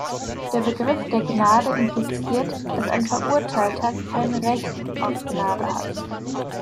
Der Begriff der Gnade impliziert, dass ein Verurteilter kein "Recht" auf Gnade hat.